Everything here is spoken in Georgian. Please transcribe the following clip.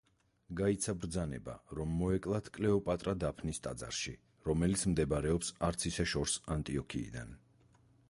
გაიცა ბრძანება რომ მოეკლათ კლეოპატრა დაფნის ტაძარში, რომელიც მდებარეობს არც ისე შორს ანტიოქიიდან.